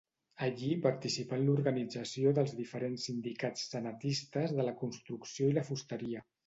Allí participarà en l'organització dels diferents sindicats cenetistes de la construcció i la fusteria.